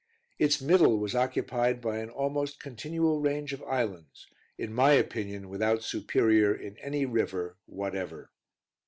Its middle was occupied by an almost continual range of islands, in my opinion without superior in any river whatever.